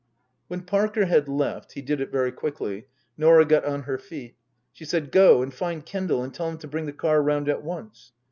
When Parker had left (he did it very quickly) Norah got on her feet. She said, " Go and find Kendal and tell him to bring the car round at once."